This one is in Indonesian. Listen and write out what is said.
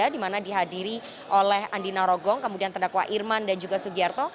di mana dihadiri oleh andi narogong kemudian terdakwa irman dan juga sugiarto